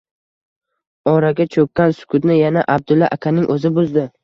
Oraga cho‘kkan sukutni yana Abdulla akaning o‘zi buzdi: